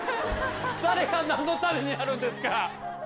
誰が何のためにやるんですか！？